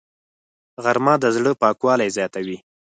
غرمه د زړه پاکوالی زیاتوي